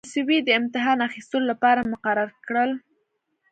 د سویې د امتحان اخیستلو لپاره مقرر کړل.